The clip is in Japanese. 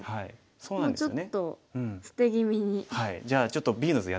そうなんですよね